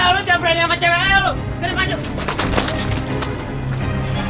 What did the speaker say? ayo jangan berani sama cewek ayo lanjut